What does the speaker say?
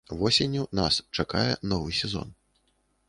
Восенню нас чакае новы сезон.